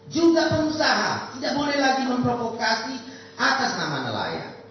juga pengusaha tidak boleh lagi memprovokasi atas nama nelayan